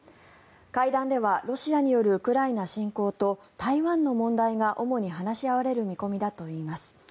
会談ではロシアによるウクライナ侵攻と台湾の問題が主に話し合われる見込みだといいます。